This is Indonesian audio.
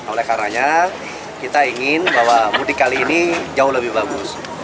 oleh karena kita ingin bahwa mudik kali ini jauh lebih bagus